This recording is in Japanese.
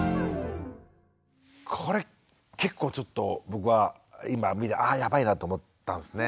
これ結構ちょっと僕は今見てあやばいなと思ったんですね。